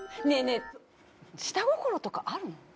ねぇねぇ下心とかあるの？